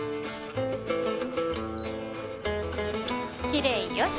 きれいよし！